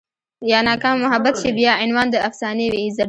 يا ناکامه محبت شي بيا عنوان د افسانې وي